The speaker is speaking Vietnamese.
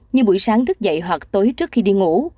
như buổi sáng thức dậy hoặc tối trước khi đi ngủ